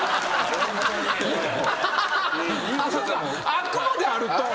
あっこまであると。